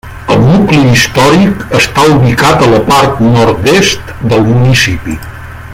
El nucli històric està ubicat a la part nord-est del municipi.